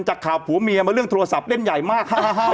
จากข่าวผัวเมียมาเรื่องโทรศัพท์เล่นใหญ่มาก